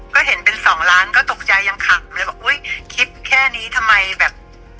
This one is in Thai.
ก็เห็นเป็นสองล้านก็ตกใจยังขำเลยบอกอุ๊ยคลิปแค่นี้ทำไมแบบ